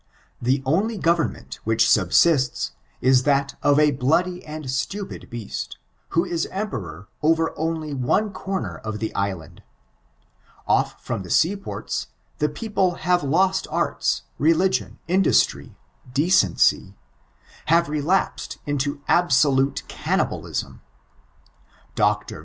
The only government which snbsistik is that of a bloody and stupid beast, who is emperor over one comer of the island. Off from the seaports, the people have lost arts, religion, indostry, decency— have relapsed into absolute cannibalism. Dr.